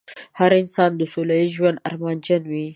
هر انسان د سوله ييز ژوند ارمانجن وي.